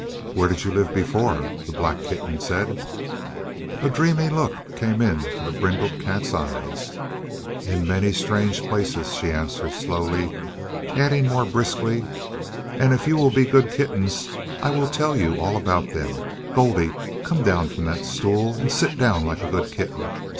"Where did you live before?" the black kitten said. A dreamy look came into the brindled cat's eyes. "In many strange places," she answered slowly; adding more briskly, "and if you will be good kittens, I will tell you all about them. Goldie! come down from that stool, and sit down like a good kitten.